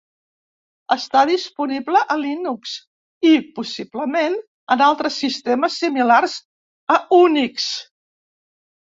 Està disponible a Linux i possiblement en altres sistemes similars a Unix.